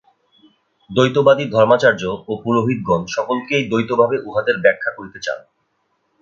দ্বৈতবাদী ধর্মাচার্য ও পুরোহিতগণ সকলকেই দ্বৈতভাবে উহাদের ব্যাখ্যা করিতে চান।